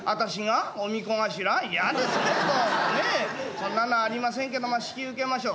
そんなのありませんけどまあ引き受けましょう。